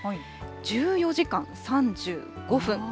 １４時間３５分。